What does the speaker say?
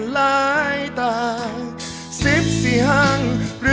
ใส่ว่าสิ่งบ่อแบ่งใจ